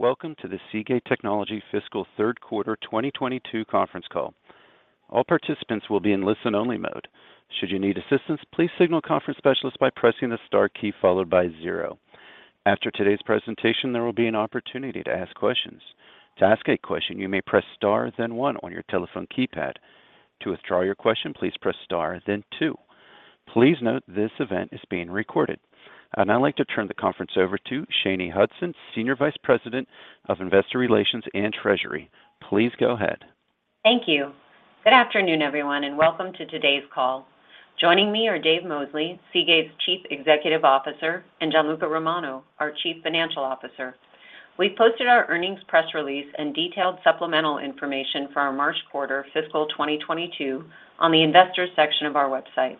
Welcome to the Seagate Technology fiscal third quarter 2022 conference call. All participants will be in listen only mode. Should you need assistance, please signal a conference specialist by pressing the star key followed by zero. After today's presentation, there will be an opportunity to ask questions. To ask a question, you may press star then one on your telephone keypad. To withdraw your question, please press star then two. Please note this event is being recorded. I'd now like to turn the conference over to Shanye Hudson, Senior Vice President of Investor Relations and Treasury. Please go ahead. Thank you. Good afternoon, everyone, and welcome to today's call. Joining me are Dave Mosley, Seagate's Chief Executive Officer, and Gianluca Romano, our Chief Financial Officer. We posted our earnings press release and detailed supplemental information for our March quarter fiscal 2022 on the investors section of our website.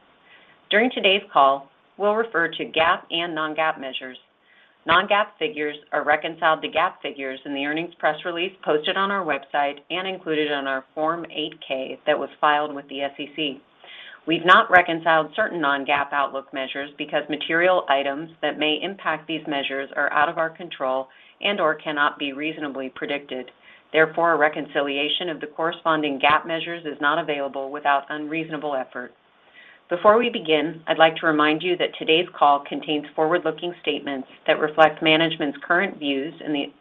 During today's call, we'll refer to GAAP and non-GAAP measures. Non-GAAP figures are reconciled to GAAP figures in the earnings press release posted on our website and included on our Form 8-K that was filed with the SEC. We've not reconciled certain non-GAAP outlook measures because material items that may impact these measures are out of our control and/or cannot be reasonably predicted. Therefore, a reconciliation of the corresponding GAAP measures is not available without unreasonable effort. Before we begin, I'd like to remind you that today's call contains forward-looking statements that reflect management's current views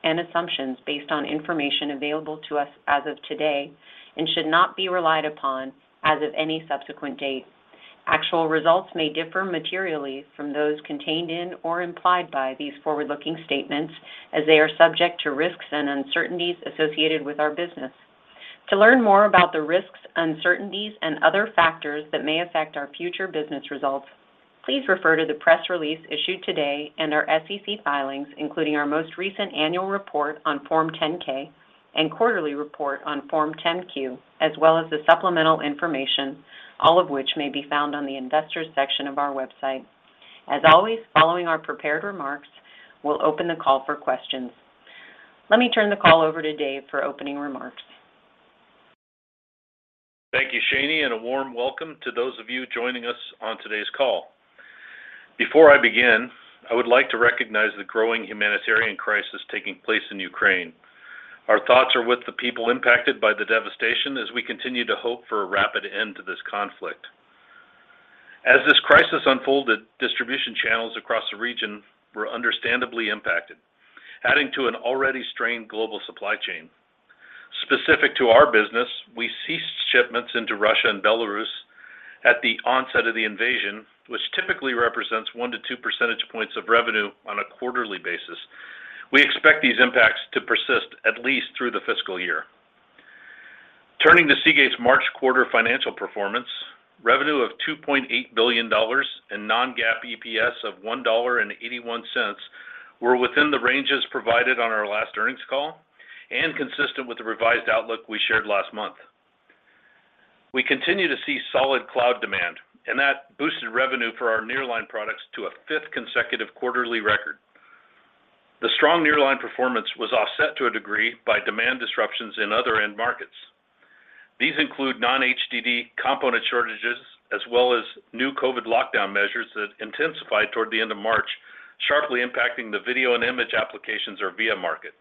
and assumptions based on information available to us as of today and should not be relied upon as of any subsequent date. Actual results may differ materially from those contained in or implied by these forward-looking statements as they are subject to risks and uncertainties associated with our business. To learn more about the risks, uncertainties, and other factors that may affect our future business results, please refer to the press release issued today and our SEC filings, including our most recent annual report on Form 10-K and quarterly report on Form 10-Q, as well as the supplemental information, all of which may be found on the Investors section of our website. As always, following our prepared remarks, we'll open the call for questions. Let me turn the call over to Dave for opening remarks. Thank you, Shany, and a warm welcome to those of you joining us on today's call. Before I begin, I would like to recognize the growing humanitarian crisis taking place in Ukraine. Our thoughts are with the people impacted by the devastation as we continue to hope for a rapid end to this conflict. As this crisis unfolded, distribution channels across the region were understandably impacted, adding to an already strained global supply chain. Specific to our business, we ceased shipments into Russia and Belarus at the onset of the invasion, which typically represents 1%-2% points of revenue on a quarterly basis. We expect these impacts to persist at least through the fiscal year. Turning to Seagate's March quarter financial performance, revenue of $2.8 billion and non-GAAP EPS of $1.81 were within the ranges provided on our last earnings call and consistent with the revised outlook we shared last month. We continue to see solid cloud demand, and that boosted revenue for our Nearline products to a fifth consecutive quarterly record. The strong Nearline performance was offset to a degree by demand disruptions in other end markets. These include non-HDD component shortages, as well as new COVID lockdown measures that intensified toward the end of March, sharply impacting the video and image applications or VIA market.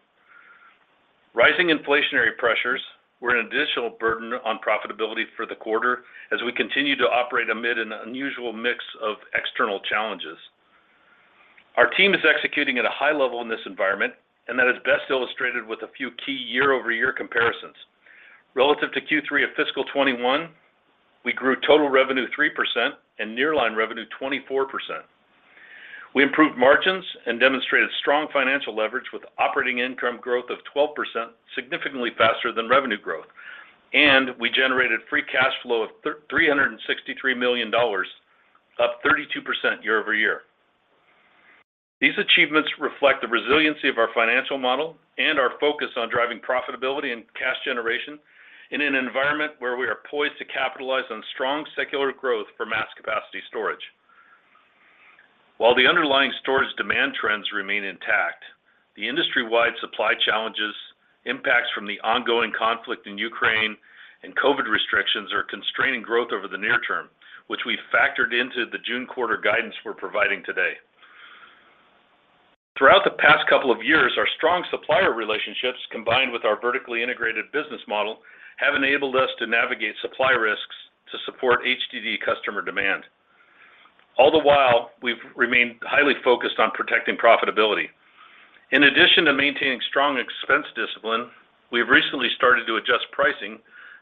Rising inflationary pressures were an additional burden on profitability for the quarter as we continue to operate amid an unusual mix of external challenges. Our team is executing at a high level in this environment, and that is best illustrated with a few key year-over-year comparisons. Relative to Q3 of fiscal 2021, we grew total revenue 3% and Nearline revenue 24%. We improved margins and demonstrated strong financial leverage with operating income growth of 12%, significantly faster than revenue growth. We generated free cash flow of $363 million, up 32% year over year. These achievements reflect the resiliency of our financial model and our focus on driving profitability and cash generation in an environment where we are poised to capitalize on strong secular growth for mass capacity storage. While the underlying storage demand trends remain intact, the industry-wide supply challenges, impacts from the ongoing conflict in Ukraine and COVID restrictions are constraining growth over the near term, which we factored into the June quarter guidance we're providing today. Throughout the past couple of years, our strong supplier relationships, combined with our vertically integrated business model, have enabled us to navigate supply risks to support HDD customer demand. All the while, we've remained highly focused on protecting profitability. In addition to maintaining strong expense discipline, we have recently started to adjust pricing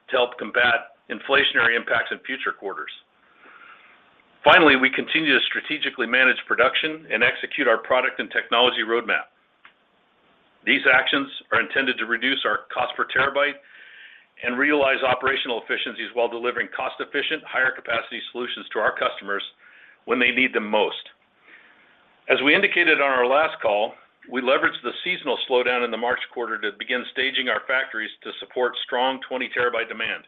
to help combat inflationary impacts in future quarters. Finally, we continue to strategically manage production and execute our product and technology roadmap. These actions are intended to reduce our cost per terabyte and realize operational efficiencies while delivering cost-efficient, higher-capacity solutions to our customers when they need them most. As we indicated on our last call, we leveraged the seasonal slowdown in the March quarter to begin staging our factories to support strong 20-terabyte demand.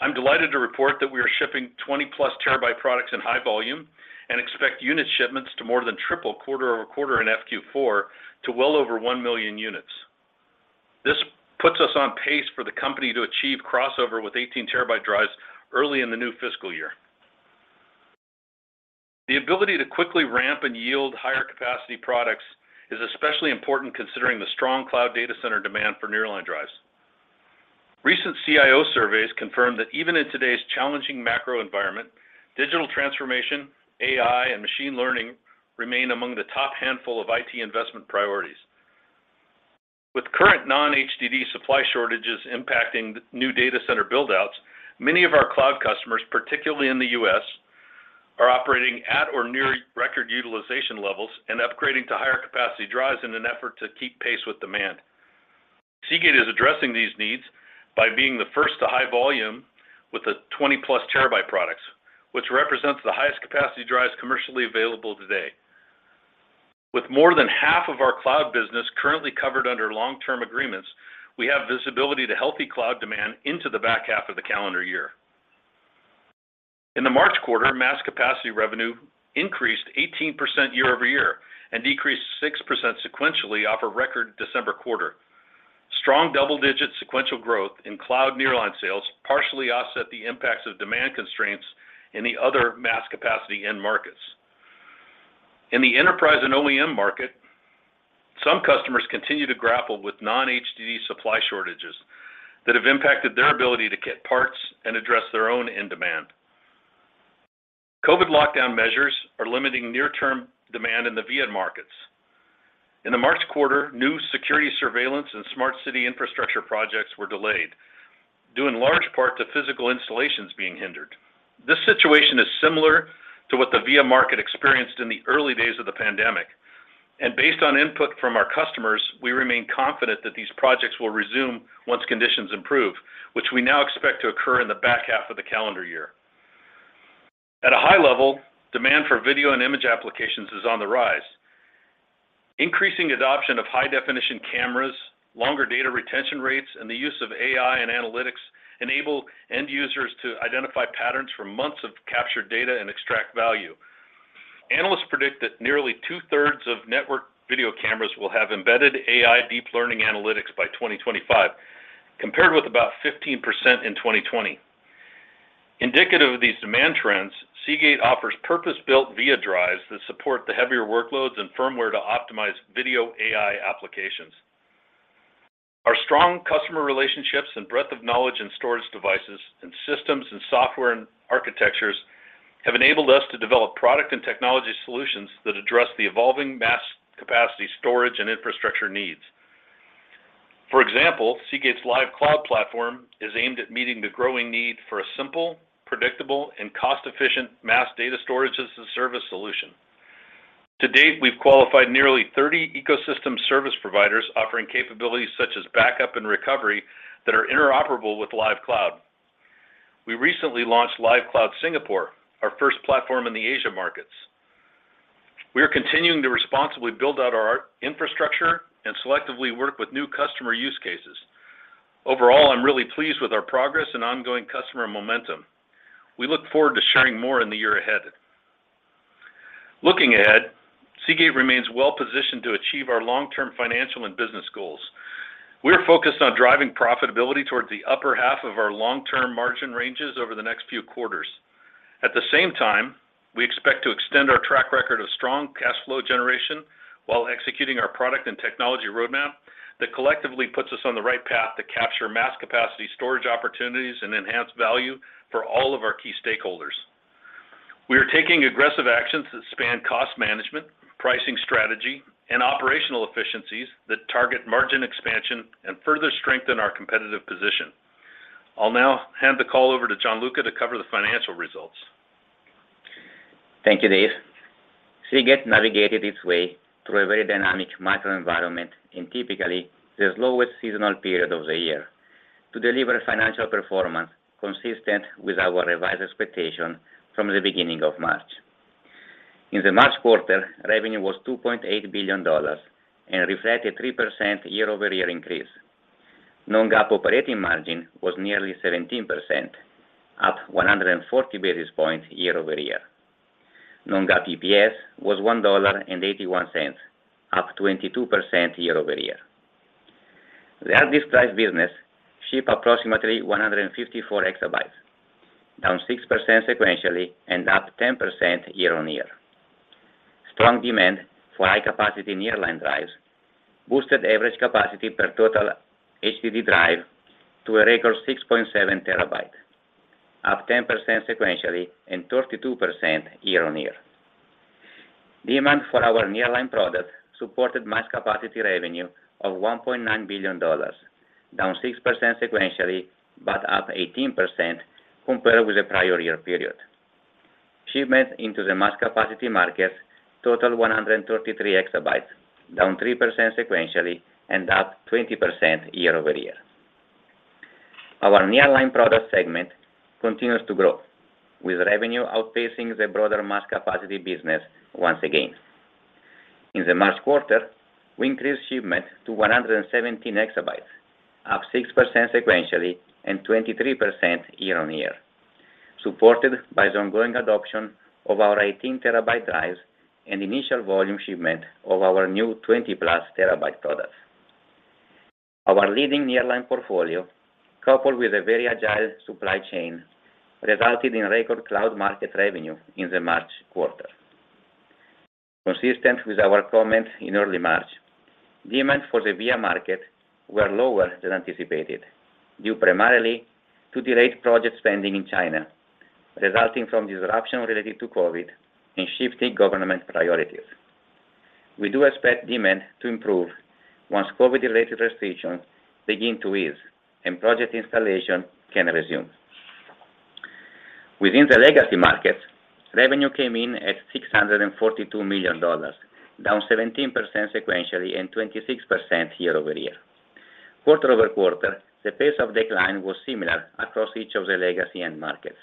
I'm delighted to report that we are shipping 20+ TB products in high volume and expect unit shipments to more than triple quarter-over-quarter in FQ4 to well over 1 million units. This puts us on pace for the company to achieve crossover with 18 TB drives early in the new fiscal year. The ability to quickly ramp and yield higher capacity products is especially important considering the strong cloud data center demand for Nearline drives. Recent CIO surveys confirm that even in today's challenging macro environment, digital transformation, AI, and machine learning remain among the top handful of IT investment priorities. With current non-HDD supply shortages impacting new data center build-outs, many of our cloud customers, particularly in the U.S., are operating at or near record utilization levels and upgrading to higher capacity drives in an effort to keep pace with demand. Seagate is addressing these needs by being the first to high volume with the 20+ terabyte products, which represents the highest capacity drives commercially available today. With more than half of our cloud business currently covered under long-term agreements, we have visibility to healthy cloud demand into the back half of the calendar year. In the March quarter, mass capacity revenue increased 18% year-over-year and decreased 6% sequentially off a record December quarter. Strong double-digit sequential growth in cloud Nearline sales partially offset the impacts of demand constraints in the other mass capacity end markets. In the enterprise and OEM market, some customers continue to grapple with non-HDD supply shortages that have impacted their ability to get parts and address their own end demand. COVID lockdown measures are limiting near-term demand in the VIA markets. In the March quarter, new security surveillance and smart city infrastructure projects were delayed, due in large part to physical installations being hindered. This situation is similar to what the VIA market experienced in the early days of the pandemic. Based on input from our customers, we remain confident that these projects will resume once conditions improve, which we now expect to occur in the back half of the calendar year. At a high level, demand for video and image applications is on the rise. Increasing adoption of high definition cameras, longer data retention rates, and the use of AI and analytics enable end users to identify patterns for months of captured data and extract value. Analysts predict that nearly two-thirds of network video cameras will have embedded AI deep learning analytics by 2025, compared with about 15% in 2020. Indicative of these demand trends, Seagate offers purpose-built VIA drives that support the heavier workloads and firmware to optimize video AI applications. Our strong customer relationships and breadth of knowledge in storage devices and systems and software and architectures have enabled us to develop product and technology solutions that address the evolving mass capacity storage and infrastructure needs. For example, Seagate's Lyve Cloud platform is aimed at meeting the growing need for a simple, predictable, and cost-efficient mass data storage as a service solution. To date, we've qualified nearly 30 ecosystem service providers offering capabilities such as backup and recovery that are interoperable with Lyve Cloud. We recently launched Lyve Cloud Singapore, our first platform in the Asia markets. We are continuing to responsibly build out our infrastructure and selectively work with new customer use cases. Overall, I'm really pleased with our progress and ongoing customer momentum. We look forward to sharing more in the year ahead. Looking ahead, Seagate remains well-positioned to achieve our long-term financial and business goals. We are focused on driving profitability towards the upper half of our long-term margin ranges over the next few quarters. At the same time, we expect to extend our track record of strong cash flow generation while executing our product and technology roadmap that collectively puts us on the right path to capture mass capacity storage opportunities and enhance value for all of our key stakeholders. We are taking aggressive actions that span cost management, pricing strategy, and operational efficiencies that target margin expansion and further strengthen our competitive position. I'll now hand the call over to Gianluca to cover the financial results. Thank you, Dave. Seagate navigated its way through a very dynamic macro environment in typically the slowest seasonal period of the year to deliver financial performance consistent with our revised expectation from the beginning of March. In the March quarter, revenue was $2.8 billion and reflected 3% year-over-year increase. Non-GAAP operating margin was nearly 17%, up 140 basis points year-over-year. Non-GAAP EPS was $1.81, up 22% year-over-year. The hard disk drive business shipped approximately 154 exabytes, down 6% sequentially and up 10% year-over-year. Strong demand for high-capacity Nearline drives boosted average capacity per total HDD drive to a record 6.7 TB, up 10% sequentially and 32% year-over-year. Demand for our Nearline product supported mass capacity revenue of $1.9 billion, down 6% sequentially, but up 18% compared with the prior year period. Shipments into the mass capacity markets totaled 133 exabytes, down 3% sequentially and up 20% year-over-year. Our Nearline product segment continues to grow, with revenue outpacing the broader mass capacity business once again. In the March quarter, we increased shipment to 117 exabytes, up 6% sequentially and 23% year-over-year, supported by the ongoing adoption of our 18-terabyte drives and initial volume shipment of our new 20+ TB products. Our leading Nearline portfolio, coupled with a very agile supply chain, resulted in record cloud market revenue in the March quarter. Consistent with our comments in early March, demand for the VIA market were lower than anticipated, due primarily to delayed project spending in China, resulting from disruption related to COVID and shifting government priorities. We do expect demand to improve once COVID-related restrictions begin to ease and project installation can resume. Within the legacy markets, revenue came in at $642 million, down 17% sequentially and 26% year-over-year. Quarter-over-quarter, the pace of decline was similar across each of the legacy end markets.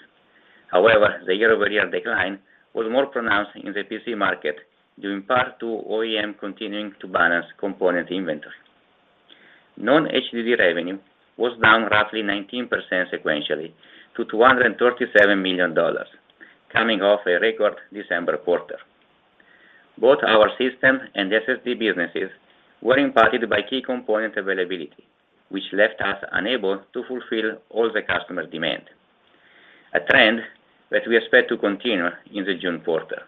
However, the year-over-year decline was more pronounced in the PC market due in part to OEM continuing to balance component inventory. Non-HDD revenue was down roughly 19% sequentially to $237 million, coming off a record December quarter. Both our system and SSD businesses were impacted by key component availability, which left us unable to fulfill all the customer demand, a trend that we expect to continue in the June quarter.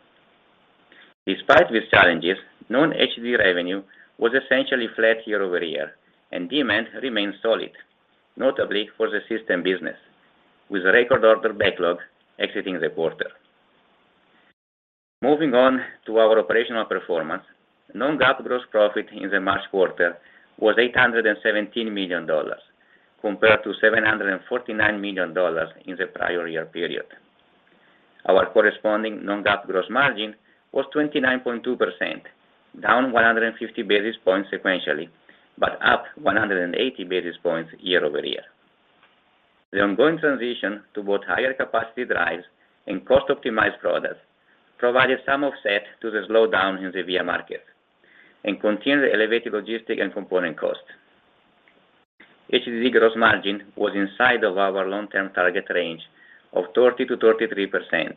Despite these challenges, non-HDD revenue was essentially flat year-over-year and demand remains solid, notably for the system business with record order backlog exiting the quarter. Moving on to our operational performance. Non-GAAP gross profit in the March quarter was $817 million compared to $749 million in the prior year period. Our corresponding non-GAAP gross margin was 29.2%, down 150 basis points sequentially, but up 180 basis points year-over-year. The ongoing transition to both higher capacity drives and cost optimized products provided some offset to the slowdown in the VIA market and continued elevated logistics and component costs. HDD gross margin was inside of our long-term target range of 30%-33%,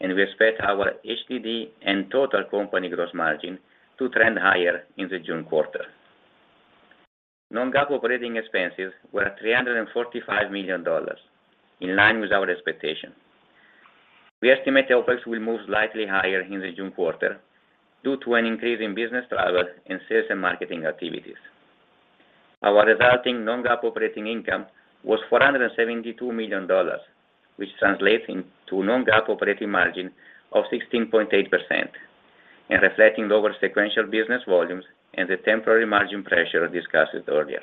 and we expect our HDD and total company gross margin to trend higher in the June quarter. non-GAAP operating expenses were at $345 million, in line with our expectation. We estimate OpEx will move slightly higher in the June quarter due to an increase in business travel and sales and marketing activities. Our resulting non-GAAP operating income was $472 million, which translates into non-GAAP operating margin of 16.8% and reflecting lower sequential business volumes and the temporary margin pressure discussed earlier.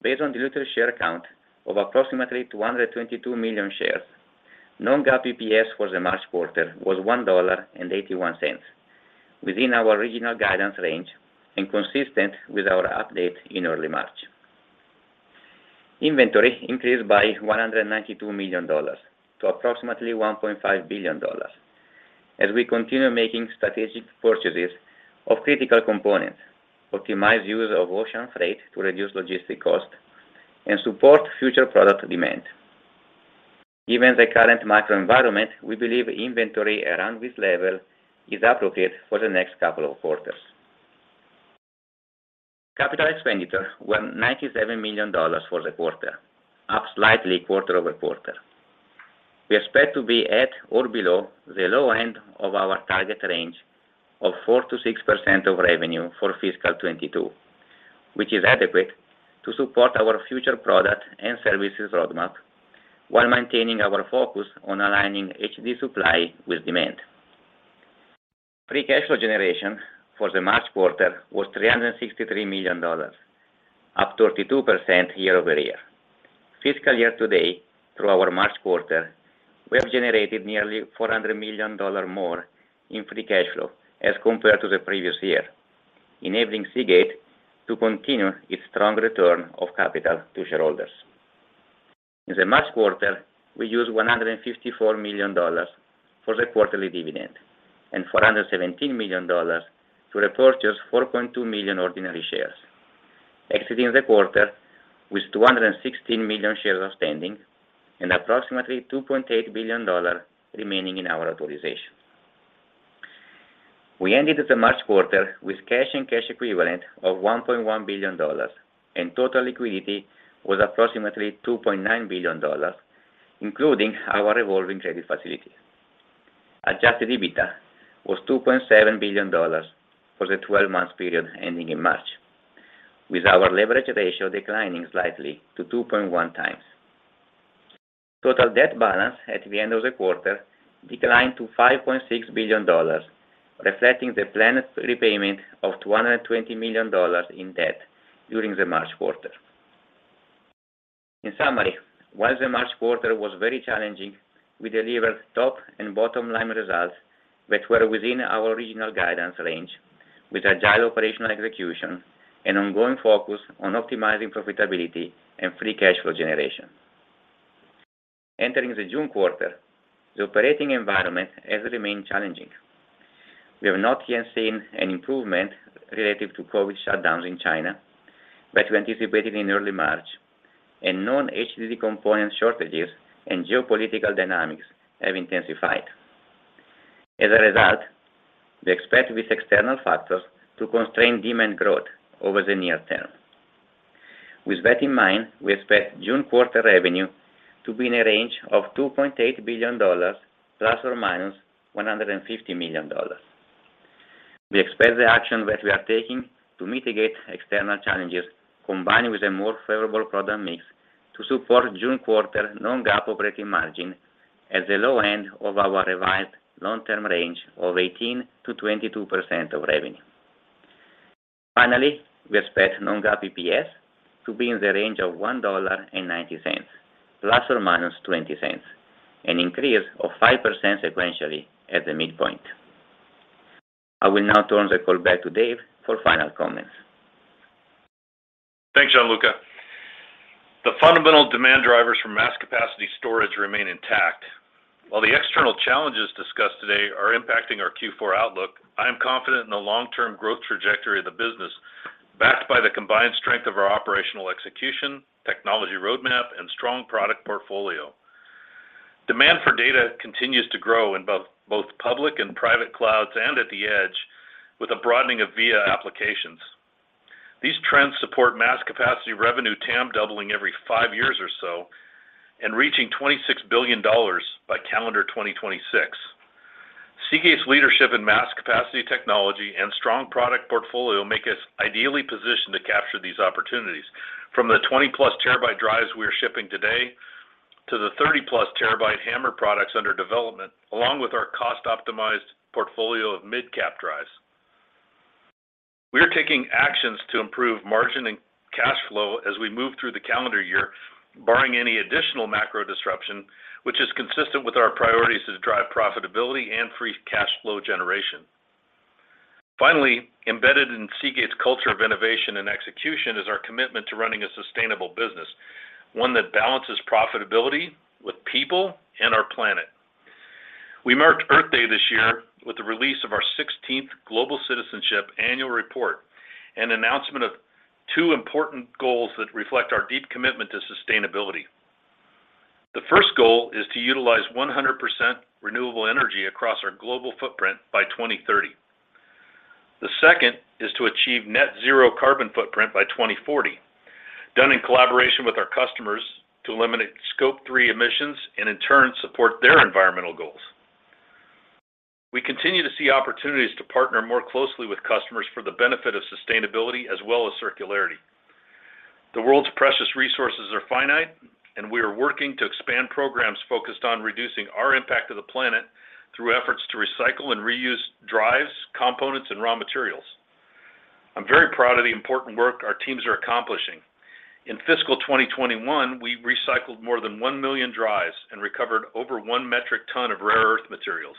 Based on diluted share count of approximately 222 million shares, non-GAAP EPS for the March quarter was $1.81 within our original guidance range and consistent with our update in early March. Inventory increased by $192 million to approximately $1.5 billion. As we continue making strategic purchases of critical components, optimize use of ocean freight to reduce logistics cost and support future product demand. Given the current macro environment, we believe inventory around this level is appropriate for the next couple of quarters. Capital expenditures were $97 million for the quarter, up slightly quarter-over-quarter. We expect to be at or below the low end of our target range of 4%-6% of revenue for fiscal 2022, which is adequate to support our future product and services roadmap while maintaining our focus on aligning HDD supply with demand. Free cash flow generation for the March quarter was $363 million, up 32% year-over-year. Fiscal year to date through our March quarter, we have generated nearly $400 million more in free cash flow as compared to the previous year, enabling Seagate to continue its strong return of capital to shareholders. In the March quarter, we used $154 million for the quarterly dividend and $417 million to repurchase 4.2 million ordinary shares, exiting the quarter with 216 million shares outstanding and approximately $2.8 billion remaining in our authorization. We ended the March quarter with cash and cash equivalents of $1.1 billion, and total liquidity was approximately $2.9 billion, including our revolving credit facility. Adjusted EBITDA was $2.7 billion for the twelve-month period ending in March, with our leverage ratio declining slightly to 2.1x. Total debt balance at the end of the quarter declined to $5.6 billion, reflecting the planned repayment of $220 million in debt during the March quarter. In summary, while the March quarter was very challenging, we delivered top and bottom line results that were within our original guidance range with agile operational execution and ongoing focus on optimizing profitability and free cash flow generation. Entering the June quarter, the operating environment has remained challenging. We have not yet seen an improvement relative to COVID shutdowns in China that we anticipated in early March, and non-HDD component shortages and geopolitical dynamics have intensified. As a result, we expect these external factors to constrain demand growth over the near term. With that in mind, we expect June quarter revenue to be in a range of $2.8 billion ± $150 million. We expect the action that we are taking to mitigate external challenges, combined with a more favorable product mix to support June quarter non-GAAP operating margin at the low end of our revised long-term range of 18%-22% of revenue. Finally, we expect non-GAAP EPS to be in the range of $1.90 ± $0.20, an increase of 5% sequentially at the midpoint. I will now turn the call back to Dave for final comments. Thanks, Gianluca. The fundamental demand drivers for mass capacity storage remain intact. While the external challenges discussed today are impacting our Q4 outlook, I am confident in the long-term growth trajectory of the business, backed by the combined strength of our operational execution, technology roadmap, and strong product portfolio. Demand for data continues to grow in both public and private clouds and at the edge with a broadening of VIA applications. These trends support mass capacity revenue TAM doubling every five years or so, and reaching $26 billion by calendar 2026. Seagate's leadership in mass capacity technology and strong product portfolio make us ideally positioned to capture these opportunities from the 20+ terabyte drives we are shipping today, to the 30+ TB HAMR products under development, along with our cost-optimized portfolio of mid-capacity drives. We are taking actions to improve margin and cash flow as we move through the calendar year, barring any additional macro disruption, which is consistent with our priorities to drive profitability and free cash flow generation. Finally, embedded in Seagate's culture of innovation and execution is our commitment to running a sustainable business, one that balances profitability with people and our planet. We marked Earth Day this year with the release of our sixteenth Global Citizenship Annual Report, an announcement of two important goals that reflect our deep commitment to sustainability. The first goal is to utilize 100% renewable energy across our global footprint by 2030. The second is to achieve net zero carbon footprint by 2040, done in collaboration with our customers to eliminate Scope 3 emissions and in turn support their environmental goals. We continue to see opportunities to partner more closely with customers for the benefit of sustainability as well as circularity. The world's precious resources are finite, and we are working to expand programs focused on reducing our impact to the planet through efforts to recycle and reuse drives, components, and raw materials. I'm very proud of the important work our teams are accomplishing. In fiscal 2021, we recycled more than 1 million drives and recovered over one metric ton of rare earth materials.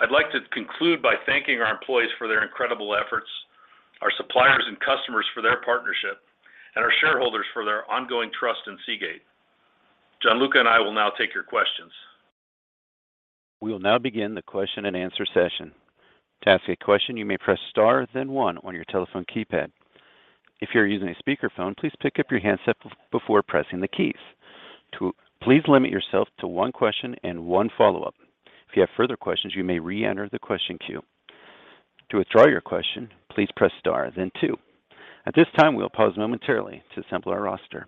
I'd like to conclude by thanking our employees for their incredible efforts, our suppliers and customers for their partnership, and our shareholders for their ongoing trust in Seagate. Gianluca and I will now take your questions. We will now begin the question-and-answer session. To ask a question, you may press star then one on your telephone keypad. If you're using a speaker phone, please pick up your handset before pressing the keys. Please limit yourself to one question and one follow-up. If you have further questions, you may re-enter the question queue. To withdraw your question, please press star then two. At this time, we'll pause momentarily to assemble our roster.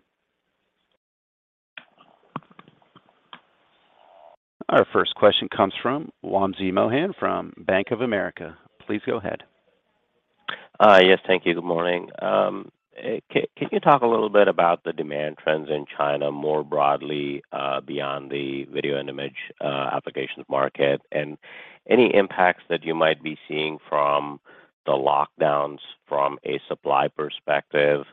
Our first question comes from Wamsi Mohan from Bank of America. Please go ahead. Yes, thank you. Good morning. Can you talk a little bit about the demand trends in China more broadly, beyond the video and image applications market, and any impacts that you might be seeing from the lockdowns from a supply perspective,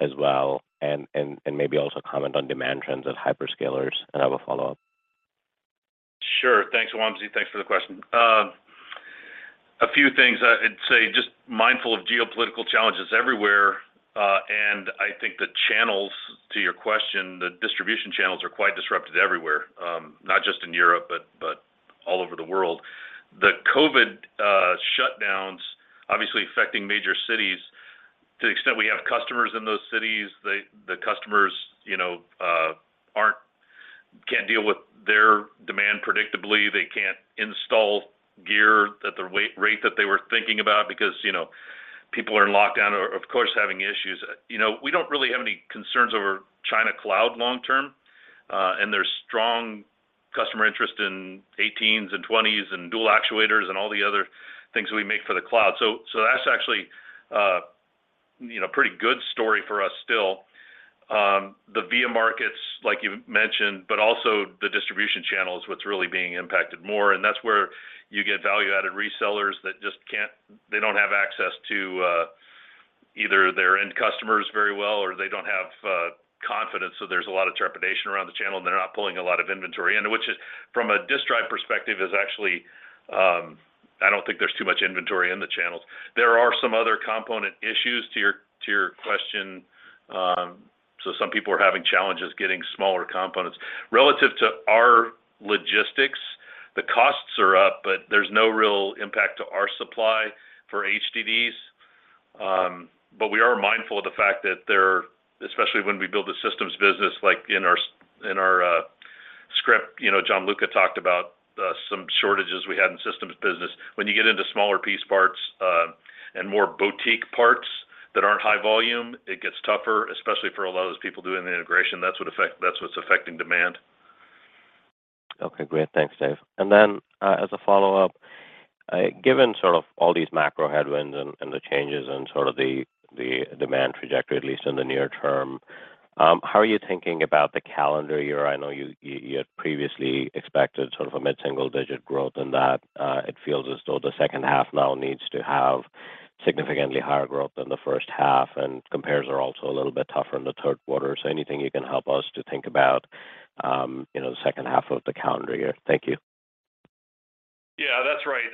as well, and maybe also comment on demand trends of hyperscalers? I have a follow-up. Sure. Thanks, Wamsi. Thanks for the question. A few things. I'd say just mindful of geopolitical challenges everywhere, and I think the channels, to your question, the distribution channels are quite disrupted everywhere, not just in Europe, but all over the world. The COVID shutdowns obviously affecting major cities. To the extent we have customers in those cities, the customers, you know, can't deal with their demand predictably. They can't install gear at the rate that they were thinking about because, you know, people are in lockdown, of course, having issues. You know, we don't really have any concerns over China Cloud long term, and there's strong customer interest in 18s and 20s and dual actuators and all the other things that we make for the cloud. That's actually, you know, pretty good story for us still. The VIA markets, like you mentioned, but also the distribution channel is what's really being impacted more, and that's where you get value-added resellers that they don't have access to either their end customers very well or they don't have confidence, so there's a lot of trepidation around the channel, and they're not pulling a lot of inventory. Which is from a disk drive perspective is actually, I don't think there's too much inventory in the channels. There are some other component issues to your question. So some people are having challenges getting smaller components. Relative to our logistics, the costs are up, but there's no real impact to our supply for HDDs. We are mindful of the fact that there, especially when we build a systems business like in our script, you know, Gianluca talked about, some shortages we had in systems business. When you get into smaller piece parts, and more boutique parts that aren't high volume, it gets tougher, especially for a lot of those people doing the integration. That's what's affecting demand. Okay, great. Thanks, Dave. As a follow-up, given sort of all these macro headwinds and the changes and sort of the demand trajectory, at least in the near term, how are you thinking about the calendar year? I know you had previously expected sort of a mid-single-digit growth in that. It feels as though the second half now needs to have significantly higher growth than the first half, and compares are also a little bit tougher in the third quarter. Anything you can help us to think about, you know, the second half of the calendar year? Thank you. Yeah, that's right.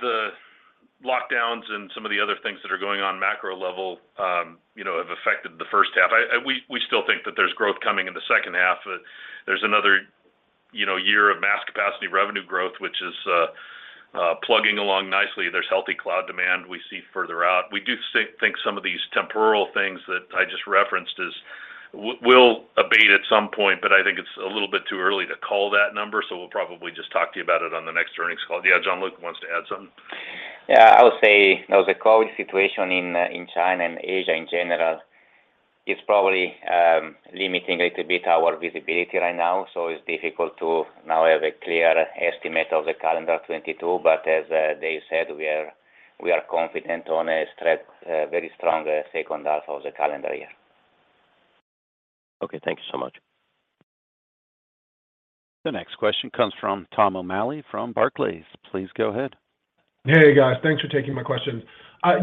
The lockdowns and some of the other things that are going on macro level, you know, have affected the first half. We still think that there's growth coming in the second half. There's another, you know, year of mass capacity revenue growth, which is plugging along nicely. There's healthy cloud demand we see further out. We do think some of these temporary things that I just referenced will abate at some point, but I think it's a little bit too early to call that number, so we'll probably just talk to you about it on the next earnings call. Yeah, Gianluca wants to add something. I would say now the COVID situation in China and Asia in general is probably limiting a little bit our visibility right now, so it's difficult to now have a clear estimate of the calendar 2022. As Dave said, we are confident on a very strong second half of the calendar year. Okay, thank you so much. The next question comes from Thomas O'Malley from Barclays. Please go ahead. Hey, guys. Thanks for taking my question.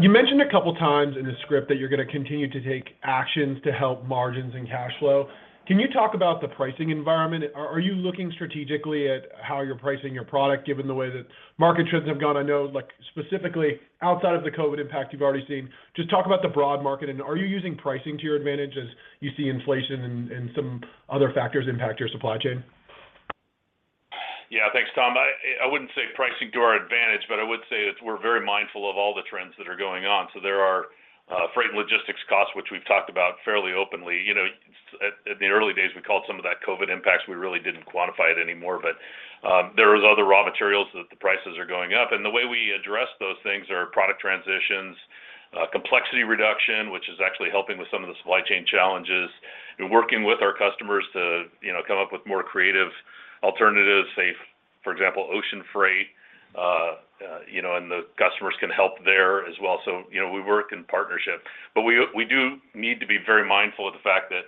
You mentioned a couple times in the script that you're gonna continue to take actions to help margins and cash flow. Can you talk about the pricing environment? Are you looking strategically at how you're pricing your product given the way that market trends have gone? I know, like, specifically outside of the COVID impact you've already seen. Just talk about the broad market, and are you using pricing to your advantage as you see inflation and some other factors impact your supply chain? Yeah. Thanks, Tom. I wouldn't say pricing to our advantage, but I would say that we're very mindful of all the trends that are going on. There are freight and logistics costs, which we've talked about fairly openly. You know, at the early days, we called some of that COVID impacts. We really didn't quantify it anymore. There was other raw materials that the prices are going up. The way we address those things are product transitions, complexity reduction, which is actually helping with some of the supply chain challenges, and working with our customers to, you know, come up with more creative alternatives, say, for example, ocean freight, you know, and the customers can help there as well. You know, we work in partnership. We do need to be very mindful of the fact that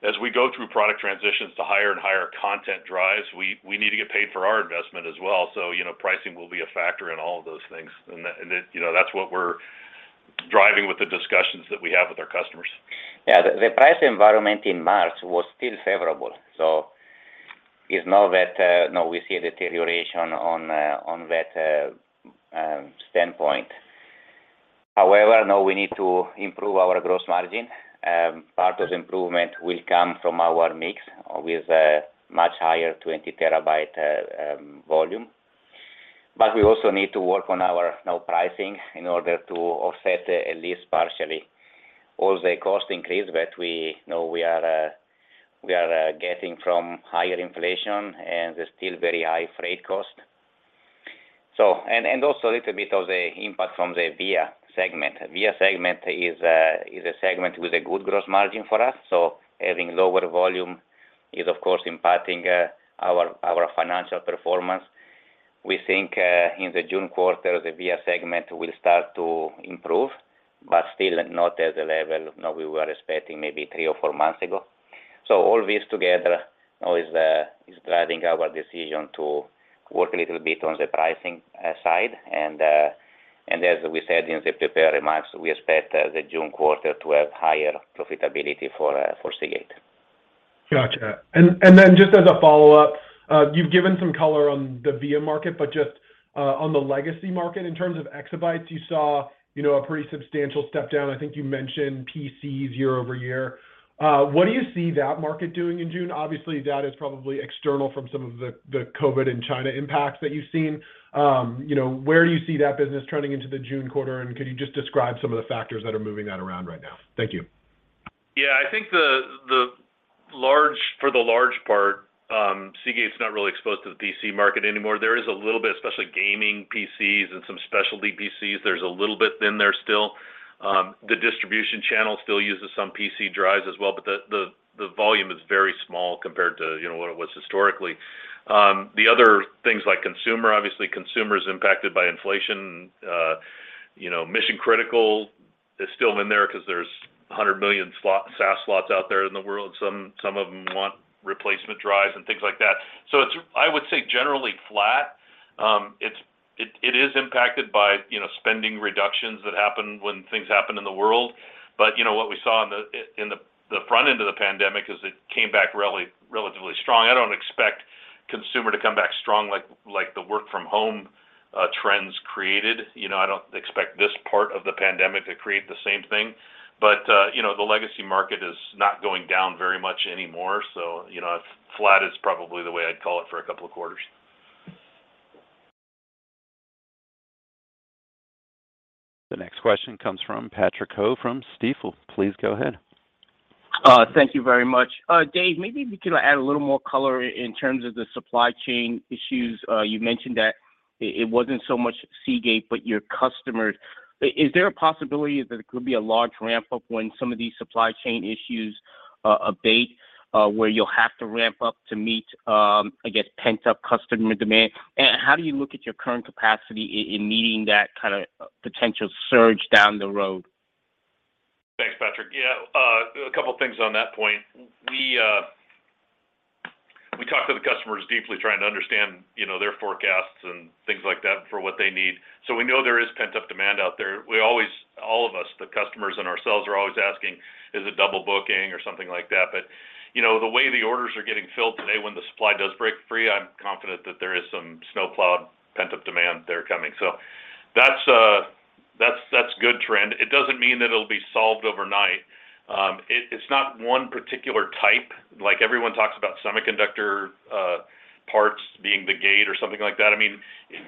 as we go through product transitions to higher and higher content drives, we need to get paid for our investment as well. You know, pricing will be a factor in all of those things. That, you know, that's what we're driving with the discussions that we have with our customers. Yeah. The price environment in March was still favorable, so now we see a deterioration on that standpoint. However, now we need to improve our gross margin. Part of the improvement will come from our mix with a much higher 20 TB volume. We also need to work on our pricing now in order to offset, at least partially, all the cost increase that we know we are getting from higher inflation and the still very high freight cost. Also a little bit of the impact from the VIA segment. VIA segment is a segment with a good gross margin for us. Having lower volume is of course impacting our financial performance. We think in the June quarter, the VIA segment will start to improve, but still not at the level, you know, we were expecting maybe three or four months ago. All this together now is driving our decision to work a little bit on the pricing side. As we said in the prepared remarks, we expect the June quarter to have higher profitability for Seagate. Gotcha. Then just as a follow-up, you've given some color on the VIA market, but just on the legacy market, in terms of exabytes, you saw, you know, a pretty substantial step down. I think you mentioned PCs year over year. What do you see that market doing in June? Obviously, that is probably external from some of the COVID and China impacts that you've seen. You know, where do you see that business turning into the June quarter? Could you just describe some of the factors that are moving that around right now? Thank you. Yeah. I think the large part, Seagate's not really exposed to the PC market anymore. There is a little bit, especially gaming PCs and some specialty PCs. There's a little bit in there still. The distribution channel still uses some PC drives as well, but the volume is very small compared to, you know, what it was historically. The other things like consumer, obviously consumer is impacted by inflation. You know, mission-critical is still in there 'cause there's 100 million SAS slots out there in the world. Some of them want replacement drives and things like that. It's, I would say, generally flat. It is impacted by, you know, spending reductions that happen when things happen in the world. You know, what we saw in the front end of the pandemic is it came back really relatively strong. I don't expect consumer to come back strong like the work from home trends created. You know, I don't expect this part of the pandemic to create the same thing. You know, the legacy market is not going down very much anymore. You know, it's flat is probably the way I'd call it for a couple of quarters. The next question comes from Patrick Ho from Stifel. Please go ahead. Thank you very much. Dave, maybe you can add a little more color in terms of the supply chain issues. You mentioned that it wasn't so much Seagate but your customers. Is there a possibility that it could be a large ramp up when some of these supply chain issues abate, where you'll have to ramp up to meet, I guess, pent-up customer demand? How do you look at your current capacity in meeting that kind of potential surge down the road? Thanks, Patrick. Yeah, a couple of things on that point. We talk to the customers deeply trying to understand, you know, their forecasts and things like that for what they need. We know there is pent-up demand out there. All of us, the customers and ourselves, are always asking, "Is it double booking?" Or something like that. You know, the way the orders are getting filled today when the supply does break free, I'm confident that there is some snowplow pent-up demand there coming. That's a good trend. It doesn't mean that it'll be solved overnight. It's not one particular type. Like, everyone talks about semiconductor parts being the gate or something like that. I mean,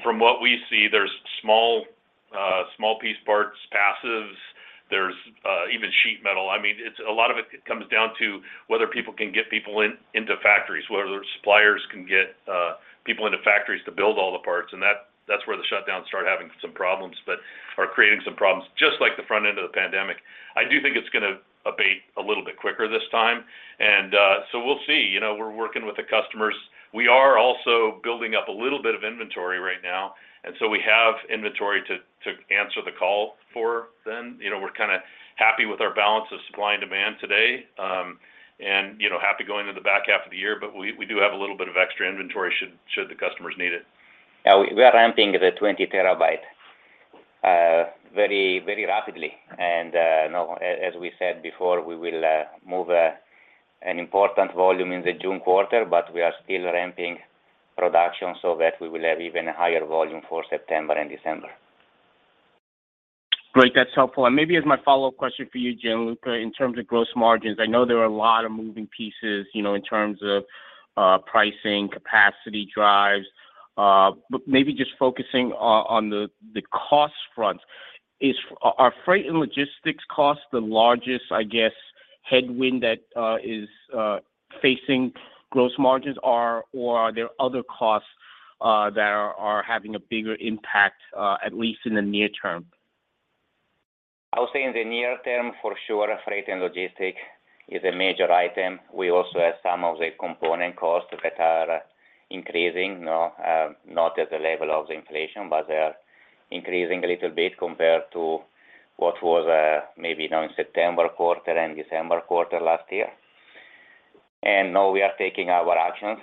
from what we see, there's small piece parts, passives, there's even sheet metal. I mean, it's a lot of it comes down to whether people can get people in, into factories, whether suppliers can get people into factories to build all the parts, and that's where the shutdowns start having some problems. But they're creating some problems just like the front end of the pandemic. I do think it's gonna abate a little bit quicker this time. We'll see. You know, we're working with the customers. We are also building up a little bit of inventory right now, and so we have inventory to answer the call for them. You know, we're kind of happy with our balance of supply and demand today, and you know, happy going into the back half of the year. We do have a little bit of extra inventory should the customers need it. Yeah. We are ramping the 20 TB very, very rapidly. You know, as we said before, we will move an important volume in the June quarter, but we are still ramping production so that we will have even higher volume for September and December. Great. That's helpful. Maybe as my follow-up question for you, Gianluca, in terms of gross margins, I know there are a lot of moving pieces, you know, in terms of pricing, capacity drives, but maybe just focusing on the cost front. Are freight and logistics costs the largest, I guess, headwind that is facing gross margins? Or are there other costs that are having a bigger impact, at least in the near term? I would say in the near term, for sure, freight and logistics is a major item. We also have some of the component costs that are increasing, not at the level of the inflation, but they are increasing a little bit compared to what was, maybe, in September quarter and December quarter last year. Now we are taking our actions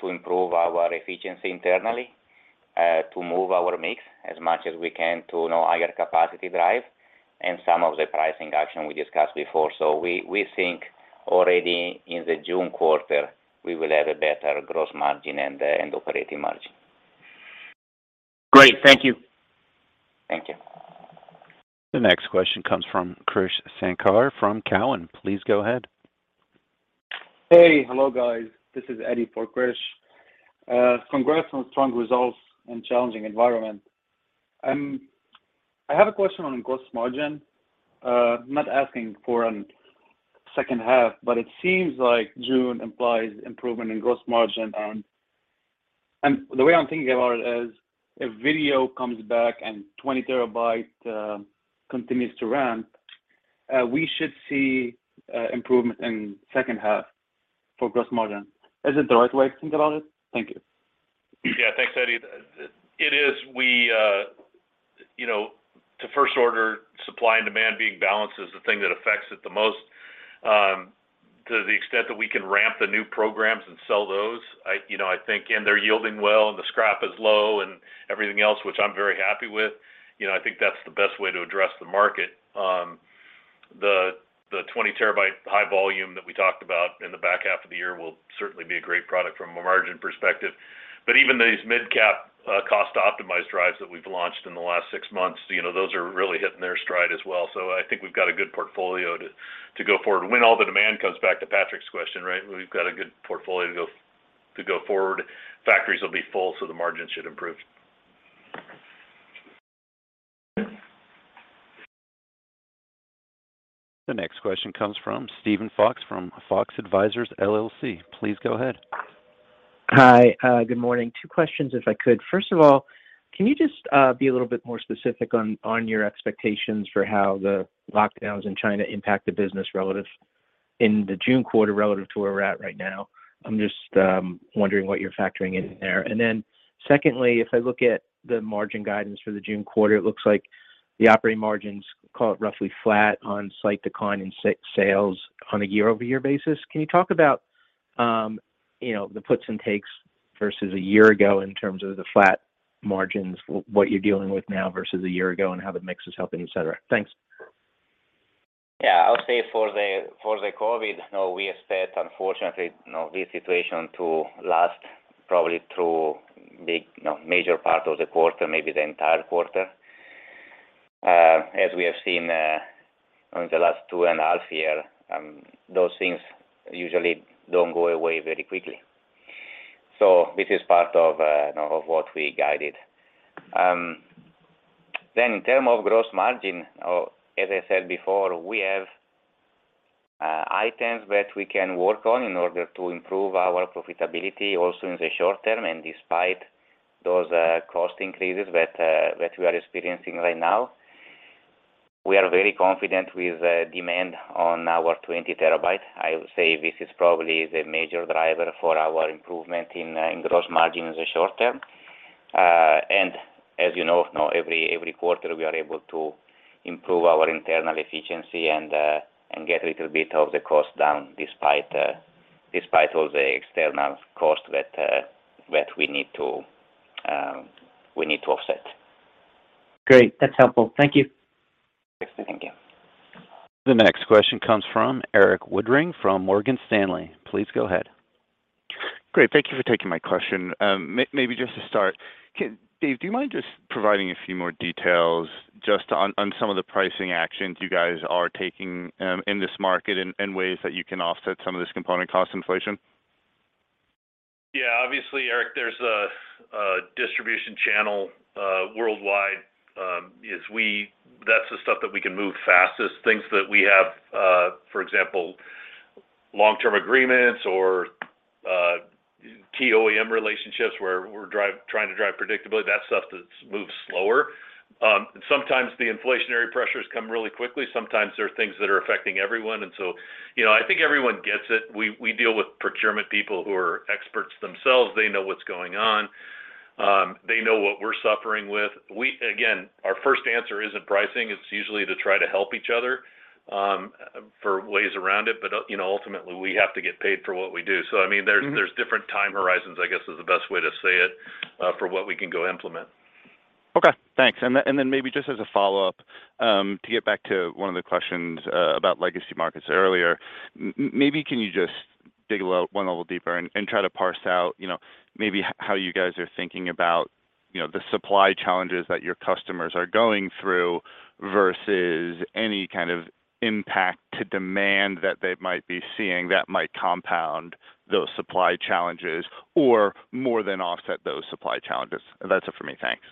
to improve our efficiency internally, to move our mix as much as we can to higher capacity drive and some of the pricing action we discussed before. We think already in the June quarter, we will have a better gross margin and operating margin. Great. Thank you. Thank you. The next question comes from Krish Sankar from Cowen. Please go ahead. Hey. Hello, guys. This is Eddie for Krish Sankar. Congrats on strong results in challenging environment. I have a question on gross margin. Not asking for second half, but it seems like June implies improvement in gross margin. The way I'm thinking about it is if video comes back and 20 TB continues to ramp, we should see improvement in second half for gross margin. Is it the right way to think about it? Thank you. Yeah. Thanks, Eddie. It is. We, you know, to first order supply and demand being balanced is the thing that affects it the most. To the extent that we can ramp the new programs and sell those, I, you know, I think and they're yielding well and the scrap is low and everything else, which I'm very happy with, you know, I think that's the best way to address the market. The 20 TB high volume that we talked about in the back half of the year will certainly be a great product from a margin perspective. Even these mid-capacity, cost-optimized drives that we've launched in the last six months, you know, those are really hitting their stride as well. I think we've got a good portfolio to go forward. When all the demand comes back to Patrick's question, right? We've got a good portfolio to go forward. Factories will be full, so the margin should improve. The next question comes from Steven Fox from Fox Advisors LLC. Please go ahead. Hi. Good morning. Two questions, if I could. First of all, can you just be a little bit more specific on your expectations for how the lockdowns in China impact the business relative in the June quarter relative to where we're at right now? I'm just wondering what you're factoring in there. Then secondly, if I look at the margin guidance for the June quarter, it looks like the operating margins call it roughly flat on slight decline in sales on a year-over-year basis. Can you talk about you know, the puts and takes versus a year ago in terms of the flat margins, what you're dealing with now versus a year ago, and how the mix is helping, et cetera? Thanks. Yeah. I'll say for the COVID, you know, we expect, unfortunately, you know, this situation to last probably through big, you know, major part of the quarter, maybe the entire quarter. As we have seen in the last 2.5 years, those things usually don't go away very quickly. This is part of, you know, of what we guided. Then in terms of gross margin, as I said before, we have items that we can work on in order to improve our profitability also in the short term. Despite those cost increases that we are experiencing right now, we are very confident with the demand on our 20 TB. I would say this is probably the major driver for our improvement in gross margin in the short term. As you know, every quarter we are able to improve our internal efficiency and get a little bit of the cost down despite all the external cost that we need to offset. Great. That's helpful. Thank you. Thank you. The next question comes from Erik Woodring, from Morgan Stanley. Please go ahead. Great. Thank you for taking my question. Maybe just to start, Dave, do you mind just providing a few more details just on some of the pricing actions you guys are taking in this market and ways that you can offset some of this component cost inflation? Yeah, obviously, Erik, there's a distribution channel worldwide. That's the stuff that we can move fastest. Things that we have, for example, long-term agreements or OEM relationships where we're trying to drive predictably, that stuff that moves slower. Sometimes the inflationary pressures come really quickly. Sometimes there are things that are affecting everyone, and so, you know, I think everyone gets it. We deal with procurement people who are experts themselves. They know what's going on. They know what we're suffering with. Again, our first answer isn't pricing. It's usually to try to help each other for ways around it. You know, ultimately, we have to get paid for what we do. I mean, there's. There's different time horizons, I guess, is the best way to say it, for what we can go implement. Okay. Thanks. Maybe just as a follow-up to get back to one of the questions about legacy markets earlier. Maybe can you just dig a little one level deeper and try to parse out, you know, maybe how you guys are thinking about, you know, the supply challenges that your customers are going through versus any kind of impact to demand that they might be seeing that might compound those supply challenges or more than offset those supply challenges. That's it for me. Thanks.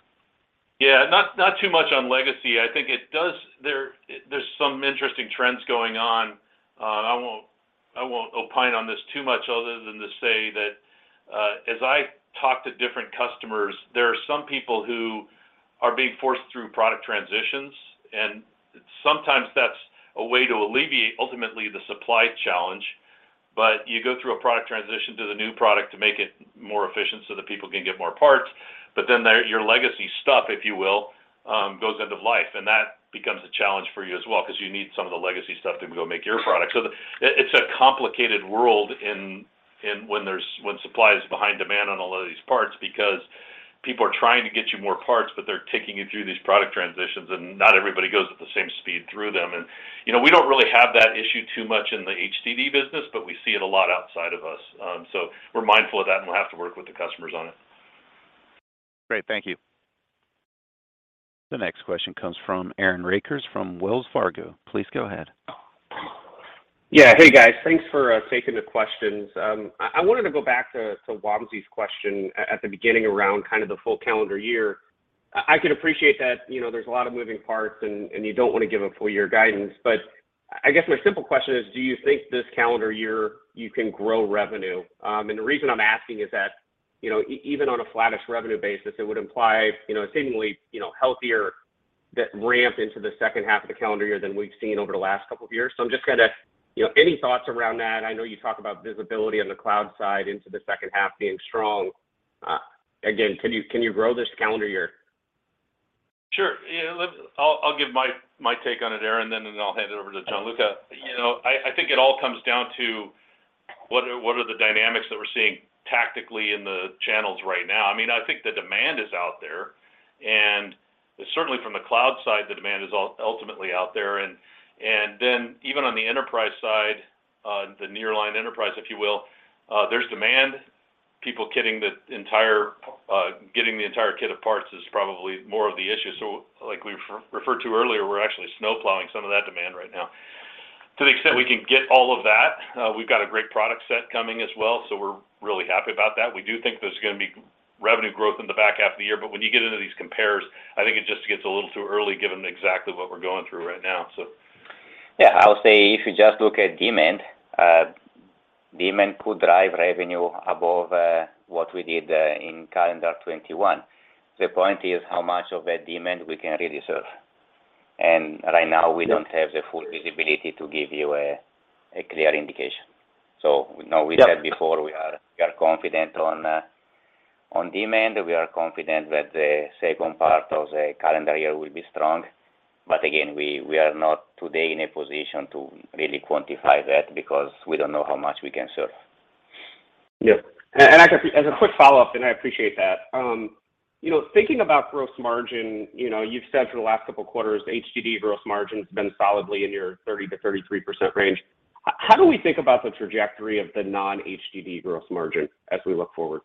Yeah. Not too much on legacy. I think it does. There's some interesting trends going on. I won't opine on this too much other than to say that, as I talk to different customers, there are some people who are being forced through product transitions, and sometimes that's a way to alleviate ultimately the supply challenge. You go through a product transition to the new product to make it more efficient so that people can get more parts, but then your legacy stuff, if you will, goes end of life, and that becomes a challenge for you as well because you need some of the legacy stuff to go make your product. It's a complicated world when supply is behind demand on all of these parts because people are trying to get you more parts, but they're taking you through these product transitions, and not everybody goes at the same speed through them. You know, we don't really have that issue too much in the HDD business, but we see it a lot outside of us. We're mindful of that, and we'll have to work with the customers on it. Great. Thank you. The next question comes from Aaron Rakers from Wells Fargo. Please go ahead. Yeah. Hey, guys. Thanks for taking the questions. I wanted to go back to Wamsi's question at the beginning around kind of the full calendar year. I can appreciate that, you know, there's a lot of moving parts and you don't want to give a full year guidance, but I guess my simple question is, do you think this calendar year you can grow revenue? And the reason I'm asking is that, you know, even on a flattish revenue basis, it would imply, you know, a seemingly, you know, healthier ramp into the second half of the calendar year than we've seen over the last couple of years. I'm just gonna, you know, any thoughts around that? I know you talk about visibility on the cloud side into the second half being strong. Again, can you grow this calendar year? Sure. Yeah. I'll give my take on it, Aaron, then I'll hand it over to Gianluca. You know, I think it all comes down to what are the dynamics that we're seeing tactically in the channels right now. I mean, I think the demand is out there, and certainly from the cloud side, the demand is ultimately out there. Then even on the enterprise side, the Nearline enterprise, if you will, there's demand. People getting the entire kit of parts is probably more of the issue. Like we referred to earlier, we're actually snowplowing some of that demand right now. To the extent we can get all of that, we've got a great product set coming as well, so we're really happy about that. We do think there's gonna be revenue growth in the back half of the year. When you get into these compares, I think it just gets a little too early given exactly what we're going through right now, so. Yeah. I'll say if you just look at demand could drive revenue above what we did in calendar 2021. The point is how much of that demand we can really serve. Right now. Yeah We don't have the full visibility to give you a clear indication. You know, we said before we are confident on demand. We are confident that the second part of the calendar year will be strong. Again, we are not today in a position to really quantify that because we don't know how much we can serve. Yeah, as a quick follow-up, I appreciate that. You know, thinking about gross margin, you know, you've said for the last couple of quarters, HDD gross margin has been solidly in your 30%-33% range. How do we think about the trajectory of the non-HDD gross margin as we look forward?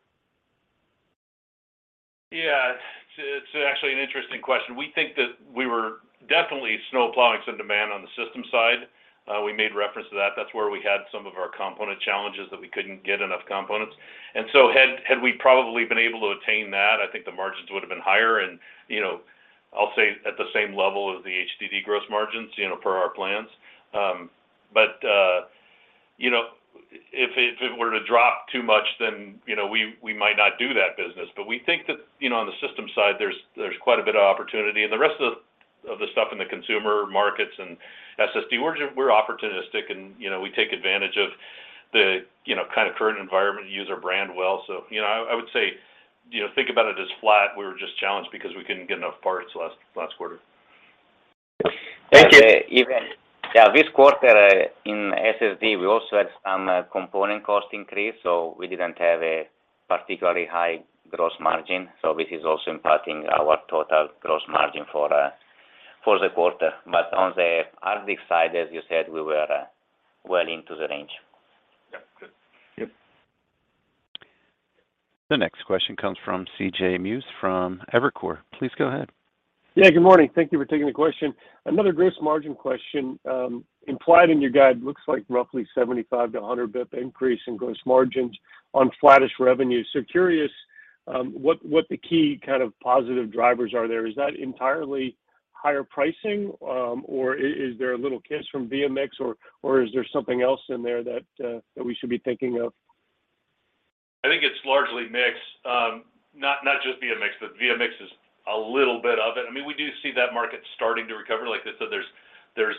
Yeah. It's actually an interesting question. We think that we were definitely snowplowing some demand on the system side. We made reference to that. That's where we had some of our component challenges that we couldn't get enough components. Had we probably been able to attain that, I think the margins would have been higher and, you know, I'll say at the same level as the HDD gross margins, you know, per our plans. You know, if it were to drop too much, then, you know, we might not do that business. We think that, you know, on the systems side, there's quite a bit of opportunity. The rest of the stuff in the consumer markets and SSD, we're just opportunistic and, you know, we take advantage of the, you know, kind of current environment, use our brand well. You know, I would say, you know, think about it as flat. We were just challenged because we couldn't get enough parts last quarter. Thank you. Even, yeah, this quarter in SSD, we also had some component cost increase, so we didn't have a particularly high gross margin. This is also impacting our total gross margin for the quarter. On the Arctic side, as you said, we were well into the range. Yeah. Good. Yep. The next question comes from C.J. Muse from Evercore. Please go ahead. Yeah, good morning. Thank you for taking the question. Another gross margin question. Implied in your guide, looks like roughly 75 bps-100 bps increase in gross margins on flattish revenue. Curious, what the key kind of positive drivers are there. Is that entirely higher pricing, or is there a little kiss from VIA or is there something else in there that we should be thinking of? I think it's largely mixed. Not just VIA, but VIA is a little bit of it. I mean, we do see that market starting to recover. Like I said, there's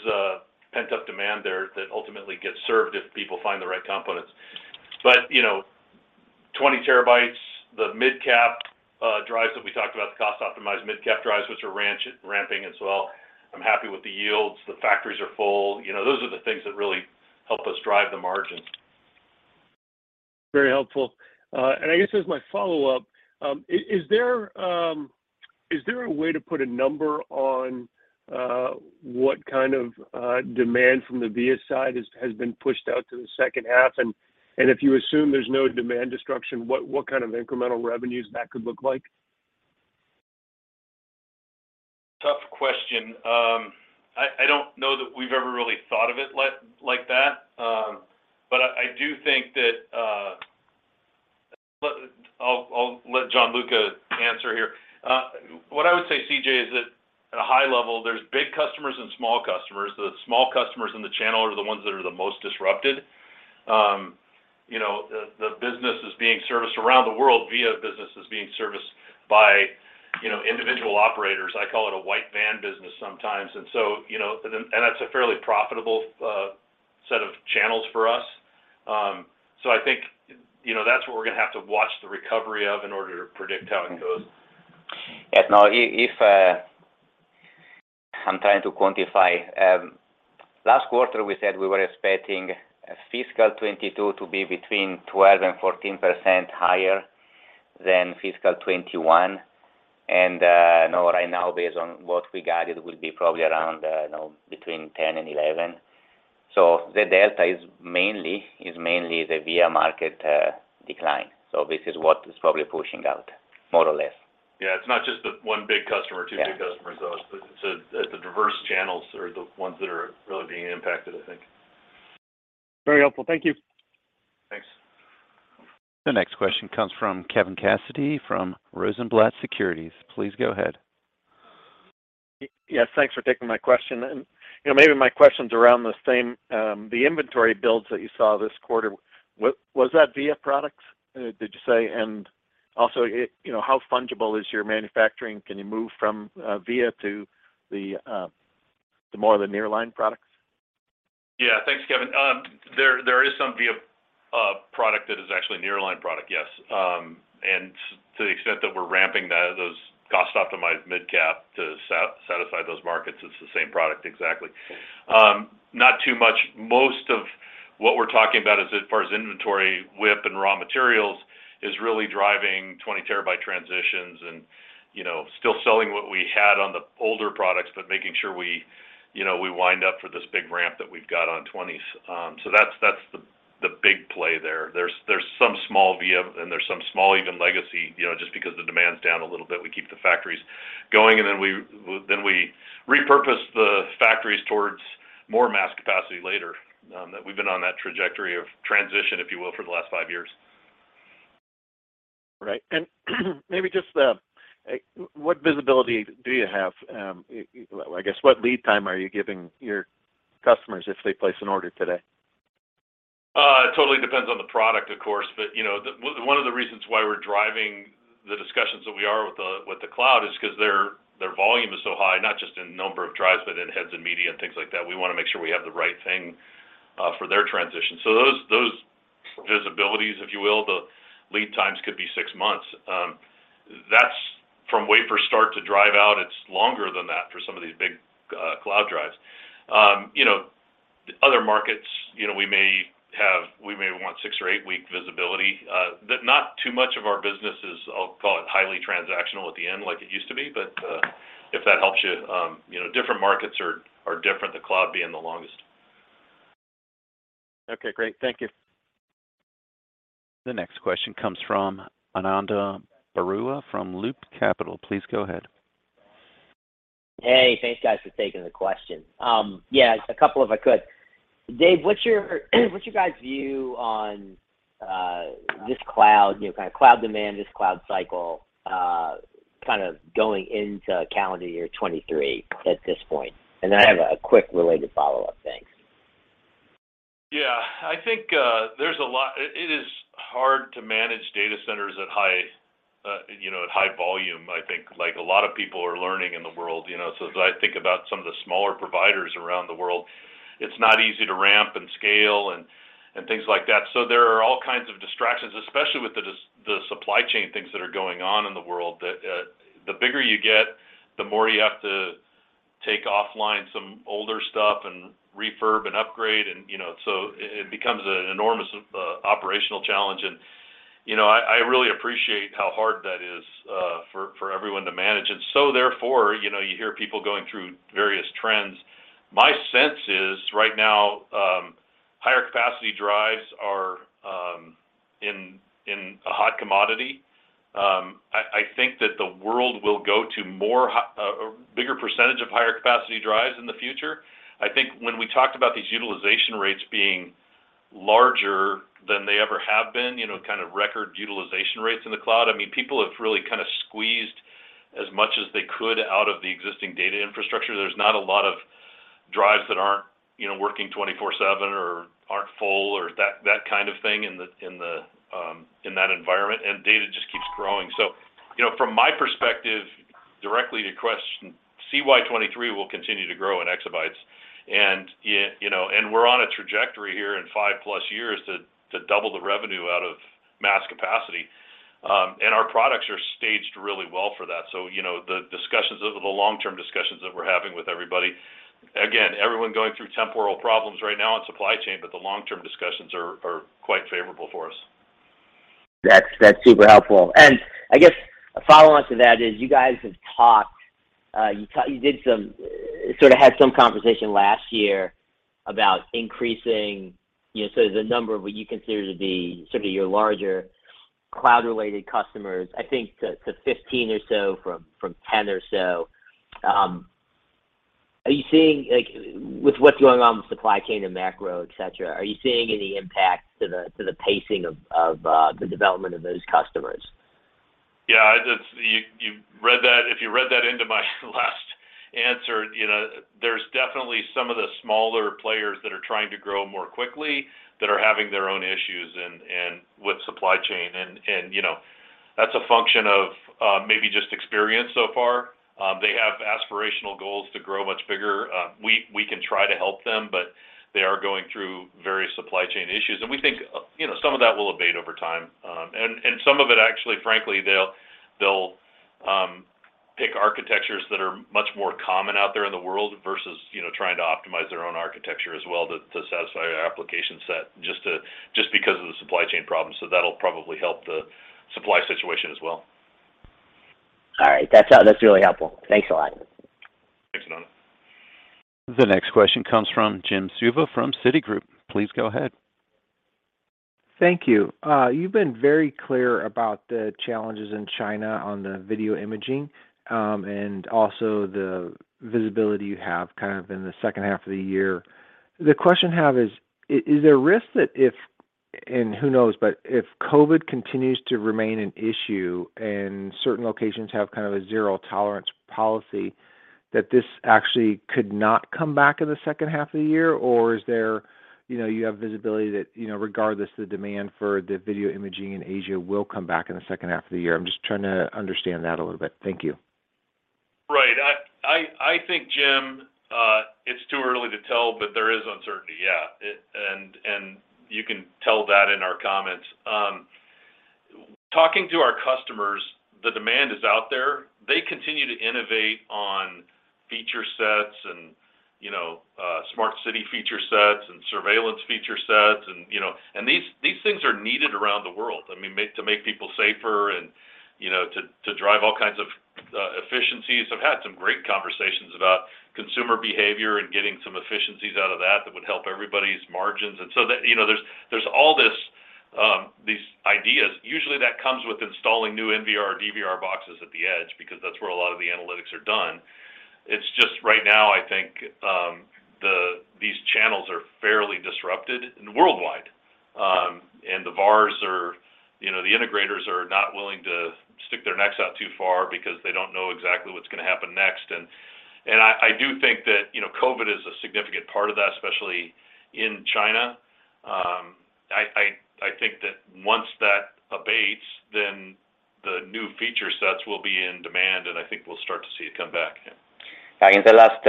pent-up demand there that ultimately gets served if people find the right components. You know, 20 TB, the midcap drives that we talked about, the cost optimized midcap drives, which are ramping as well. I'm happy with the yields, the factories are full. You know, those are the things that really help us drive the margin. Very helpful. I guess as my follow-up, is there a way to put a number on what kind of demand from the Via side has been pushed out to the second half? If you assume there's no demand destruction, what kind of incremental revenues that could look like? Tough question. I don't know that we've ever really thought of it like that. But I do think that I'll let Gianluca answer here. What I would say, C.J., is that at a high level, there's big customers and small customers. The small customers in the channel are the ones that are the most disrupted. You know, the business is being serviced around the world. VIA business is being serviced by, you know, individual operators. I call it a white van business sometimes. You know, and that's a fairly profitable set of channels for us. So I think, you know, that's what we're going to have to watch the recovery of in order to predict how it goes. Yeah. No. I'm trying to quantify. Last quarter, we said we were expecting fiscal 2022 to be between 12% and 14% higher than fiscal 2021. No, right now, based on what we guided, it will be probably around, you know, between 10% and 11%. The delta is mainly the VIA market decline. This is what is probably pushing out more or less. Yeah. It's not just the one big customer. Yeah two big customers. It's the diverse channels that are really being impacted, I think. Very helpful. Thank you. Thanks. The next question comes from Kevin Cassidy from Rosenblatt Securities. Please go ahead. Yes, thanks for taking my question. You know, maybe my question's around the same, the inventory builds that you saw this quarter. Was that VIA products, did you say? You know, how fungible is your manufacturing? Can you move from VIA to the Nearline products? Yeah. Thanks, Kevin. There is some VIA product that is actually Nearline product, yes. To the extent that we're ramping that, those cost optimized mid-cap to satisfy those markets, it's the same product exactly. Not too much. Most of what we're talking about as far as inventory whiplash and raw materials is really driving 20 TB transitions and, you know, still selling what we had on the older products, but making sure we, you know, we wind up for this big ramp that we've got on 20s. That's the big play there. There's some small VIA, and there's some small even legacy, you know, just because the demand's down a little bit. We keep the factories going, and then we repurpose the factories towards more mass capacity later. That we've been on that trajectory of transition, if you will, for the last five years. Right. Maybe just, what visibility do you have? I guess what lead time are you giving your customers if they place an order today? It totally depends on the product, of course. You know, one of the reasons why we're driving the discussions that we are with the cloud is 'cause their volume is so high, not just in number of drives, but in heads and media and things like that. We want to make sure we have the right thing for their transition. Those visibilities, if you will, the lead times could be six months. That's from wafer start to drive out. It's longer than that for some of these big cloud drives. You know, other markets, you know, we may want six or eight-week visibility. Not too much of our business is, I'll call it, highly transactional at the end like it used to be. If that helps you know, different markets are different, the cloud being the longest. Okay, great. Thank you. The next question comes from Ananda Baruah from Loop Capital. Please go ahead. Hey, thanks guys for taking the question. Yeah, a couple if I could. Dave, what's your guys view on this cloud, you know, kind of cloud demand, this cloud cycle kind of going into calendar year 2023 at this point? Then I have a quick related follow-up. Thanks. Yeah. I think, there's a lot. It is hard to manage data centers at high, you know, at high volume, I think, like a lot of people are learning in the world, you know. As I think about some of the smaller providers around the world, it's not easy to ramp and scale and things like that. There are all kinds of distractions, especially with the supply chain things that are going on in the world, that the bigger you get, the more you have to take offline some older stuff and refurb and upgrade and, you know. It becomes an enormous operational challenge and, you know, I really appreciate how hard that is for everyone to manage. Therefore, you know, you hear people going through various trends. My sense is right now higher capacity drives are in a hot commodity. I think that the world will go to a bigger percentage of higher capacity drives in the future. I think when we talked about these utilization rates being larger than they ever have been, you know, kind of record utilization rates in the cloud, I mean, people have really kind of squeezed as much as they could out of the existing data infrastructure. There's not a lot of drives that aren't, you know, working 24/7 or aren't full or that kind of thing in that environment, and data just keeps growing. You know, from my perspective, directly to question, CY 2023 will continue to grow in exabytes. You know, we're on a trajectory here in 5+ years to double the revenue out of mass capacity. Our products are staged really well for that. You know, the discussions, the long-term discussions that we're having with everybody, again, everyone going through temporary problems right now in supply chain, but the long-term discussions are quite favorable for us. That's super helpful. I guess a follow-on to that is you guys have talked, you did some, sort of had some conversation last year about increasing, you know, so the number of what you consider to be sort of your larger cloud-related customers, I think to 15 or so from 10 or so. Are you seeing, like with what's going on with supply chain and macro, et cetera, are you seeing any impact to the pacing of the development of those customers? If you read that into my last answer, you know, there's definitely some of the smaller players that are trying to grow more quickly that are having their own issues with supply chain, you know, that's a function of maybe just experience so far. They have aspirational goals to grow much bigger. We can try to help them, but they are going through various supply chain issues. We think, you know, some of that will abate over time. Some of it actually, frankly, they'll pick architectures that are much more common out there in the world versus, you know, trying to optimize their own architecture as well to satisfy our application set just because of the supply chain problem. That'll probably help the supply situation as well. All right. That's really helpful. Thanks a lot. Thanks, Ananda. The next question comes from Jim Suva from Citigroup. Please go ahead. Thank you. You've been very clear about the challenges in China on the video imaging, and also the visibility you have kind of in the second half of the year. The question I have is there a risk that if, and who knows, but if COVID continues to remain an issue and certain locations have kind of a zero-tolerance policy that this actually could not come back in the second half of the year or is there, you know, you have visibility that, you know, regardless of the demand for the video imaging in Asia will come back in the second half of the year? I'm just trying to understand that a little bit. Thank you. Right. I think, Jim, it's too early to tell, but there is uncertainty. You can tell that in our comments. Talking to our customers, the demand is out there. They continue to innovate on feature sets and, you know, smart city feature sets and surveillance feature sets and, you know. These things are needed around the world, I mean, to make people safer and, you know, to drive all kinds of efficiencies. I've had some great conversations about consumer behavior and getting some efficiencies out of that that would help everybody's margins. That, you know, there's all these ideas. Usually, that comes with installing new NVR, DVR boxes at the edge because that's where a lot of the analytics are done. It's just right now, I think, these channels are fairly disrupted and worldwide. The VARs are, you know, the integrators are not willing to stick their necks out too far because they don't know exactly what's gonna happen next. I think that, you know, COVID is a significant part of that, especially in China. I think that once that abates, then the new feature sets will be in demand, and I think we'll start to see it come back, yeah. In the last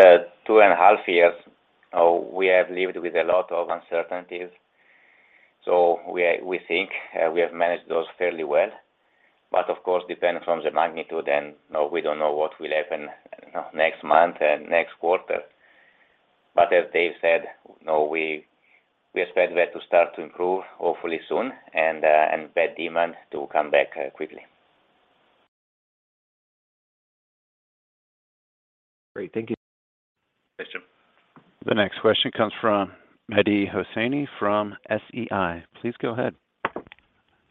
two and a half years, we have lived with a lot of uncertainties. We think we have managed those fairly well. Of course, depends on the magnitude and no, we don't know what will happen, you know, next month and next quarter. As Dave said, you know, we expect that to start to improve hopefully soon and that demand to come back quickly. Great. Thank you. Thanks, Jim. The next question comes from Mehdi Hosseini from SIG. Please go ahead.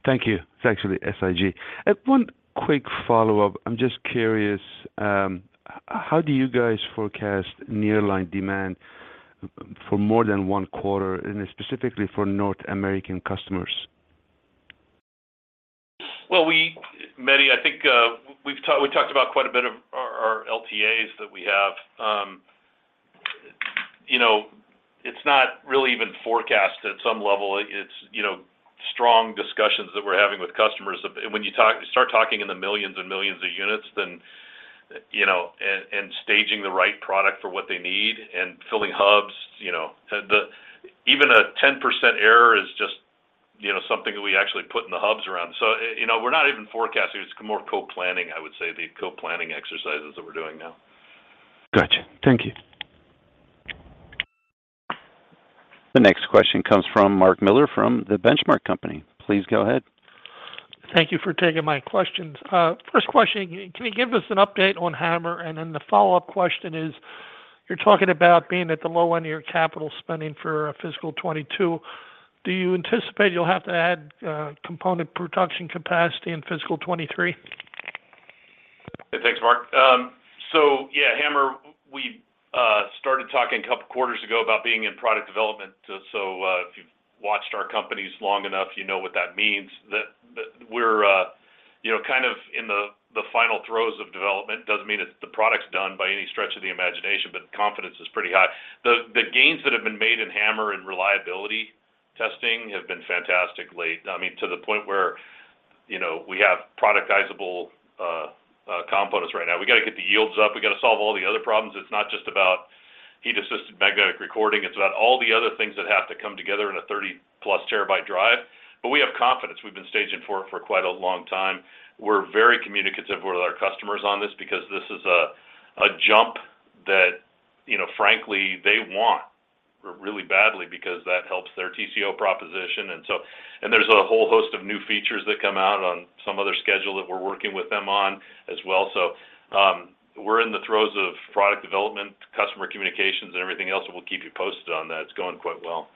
Thank you. It's actually SIG. One quick follow-up. I'm just curious, how do you guys forecast Nearline demand for more than one quarter and specifically for North American customers? Well, Mehdi, I think we've talked about quite a bit of our LTAs that we have. You know, it's not really even forecast at some level. It's, you know, strong discussions that we're having with customers. When you start talking in the millions and millions of units, then, you know, and staging the right product for what they need and filling hubs, you know. Even a 10% error is just, you know, something that we actually put in the hubs around. You know, we're not even forecasting. It's more co-planning, I would say, the co-planning exercises that we're doing now. Gotcha. Thank you. The next question comes from Mark Miller from The Benchmark Company. Please go ahead. Thank you for taking my questions. First question, can you give us an update on HAMR? The follow-up question is, you're talking about being at the low end of your capital spending for fiscal 2022. Do you anticipate you'll have to add component production capacity in fiscal 2023? Yeah. Thanks, Mark. HAMR, we started talking a couple quarters ago about being in product development. If you've watched our companies long enough, you know what that means. That we're you know kind of in the final throes of development. Doesn't mean the product's done by any stretch of the imagination, but confidence is pretty high. The gains that have been made in HAMR and reliability testing have been fantastic lately. I mean, to the point where you know we have productizable components right now. We gotta get the yields up. We gotta solve all the other problems. It's not just about heat-assisted magnetic recording. It's about all the other things that have to come together in a 30+ TB drive. We have confidence. We've been staging for it for quite a long time. We're very communicative with our customers on this because this is a jump that, you know, frankly, they want really badly because that helps their TCO proposition. There's a whole host of new features that come out on some other schedule that we're working with them on as well. We're in the throes of product development, customer communications, and everything else, and we'll keep you posted on that. It's going quite well.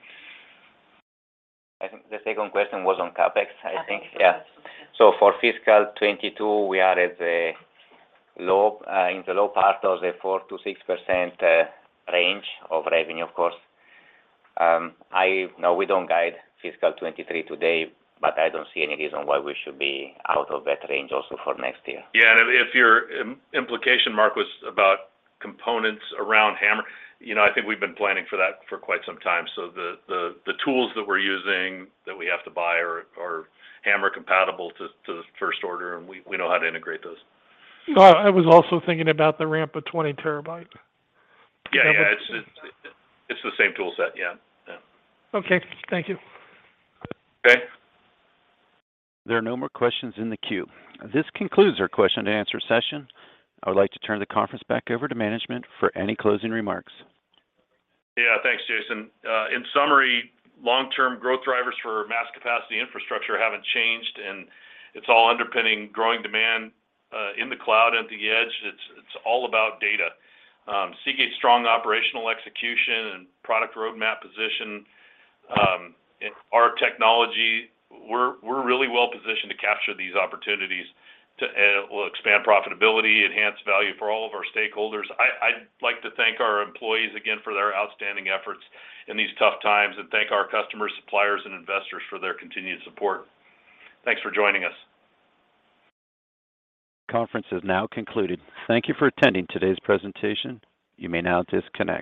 I think the second question was on CapEx, I think. CapEx, yes. Yeah. For fiscal 2022, we are at a low in the low part of the 4%-6% range of revenue, of course. No, we don't guide fiscal 2023 to date, but I don't see any reason why we should be out of that range also for next year. Yeah. If your implication, Mark, was about components around HAMR, you know, I think we've been planning for that for quite some time. The tools that we're using that we have to buy are HAMR compatible to the first order, and we know how to integrate those. I was also thinking about the ramp of 20-terabyte. Yeah. It's the same tool set. Yeah. Okay. Thank you. Okay. There are no more questions in the queue. This concludes our question-and-answer session. I would like to turn the conference back over to management for any closing remarks. Yeah. Thanks, Jason. In summary, long-term growth drivers for mass capacity infrastructure haven't changed, and it's all underpinning growing demand in the cloud and at the edge. It's all about data. Seagate's strong operational execution and product roadmap position and our technology, we're really well-positioned to capture these opportunities will expand profitability, enhance value for all of our stakeholders. I'd like to thank our employees again for their outstanding efforts in these tough times, and thank our customers, suppliers, and investors for their continued support. Thanks for joining us. Conference is now concluded. Thank you for attending today's presentation. You may now disconnect.